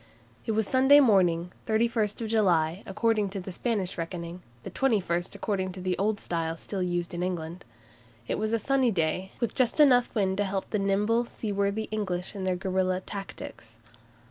It was Sunday morning, 31 July, according to the Spanish reckoning, the 21st according to the Old Style still used in England. It was a sunny day, with just enough wind to help the nimble, seaworthy English ships in their guerilla tactics.